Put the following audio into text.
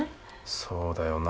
そうだよな。